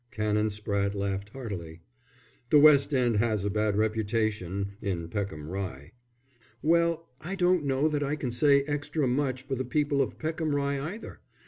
Canon Spratte laughed heartily. "The West End has a bad reputation in Peckham Rye." "Well, I don't know that I can say extra much for the people of Peckham Rye either.